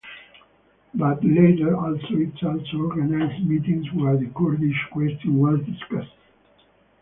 But later also it also organized meetings where the Kurdish question was discussed.